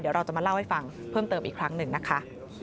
เดี๋ยวเราจะมาเล่าให้ฟังเพิ่มเติมอีกครั้งหนึ่งนะคะ